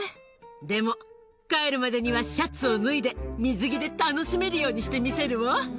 でも、帰るまでにはシャツを脱いで、水着で楽しめるようにしてみせるわ。